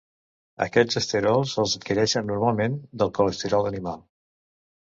Aquests esterols els adquireixen normalment del colesterol animal.